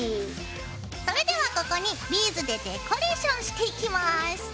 それではここにビーズでデコレーションしていきます。